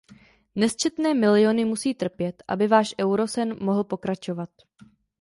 Nesčetné miliony musí trpět, aby váš eurosen mohl pokračovat.